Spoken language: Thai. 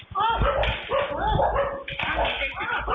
พวกมันมาเจอกันใช่ไหมลีตี